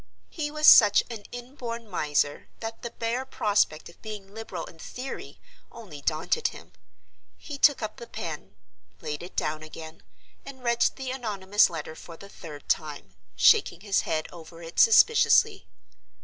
He was such an inborn miser that the bare prospect of being liberal in theory only daunted him. He took up the pen; laid it down again; and read the anonymous letter for the third time, shaking his head over it suspiciously.